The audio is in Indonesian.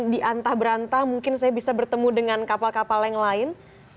diantah berantah mungkin saya bisa bertemu dengan kapal kapal yang lain